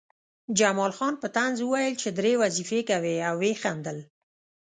جمال خان په طنز وویل چې درې وظیفې کوې او ویې خندل